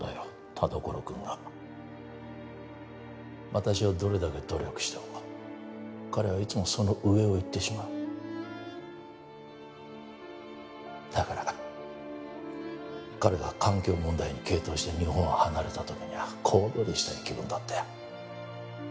田所君が私がどれだけ努力しても彼はいつもその上を行ってしまうだから彼が環境問題に傾倒して日本を離れた時には小躍りしたい気分だったよ